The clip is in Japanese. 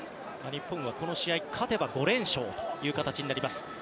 日本はこの試合勝てば５連勝という形になります。